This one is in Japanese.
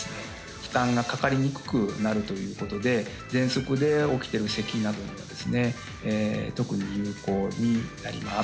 負担がかかりにくくなるということで喘息で起きてる咳などにはですね特に有効になります